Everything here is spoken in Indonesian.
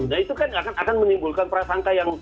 dan itu akan menimbulkan prasangka